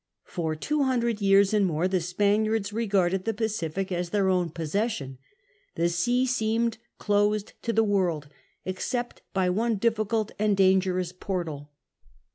For two hundred years and more the Spaniards regarded the Pacific as their own possession; the sea seemed closed to the world, except by one difficult and dangerous portal.